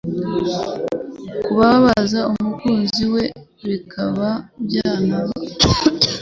kubabaza umukunzi we bikaba byanaba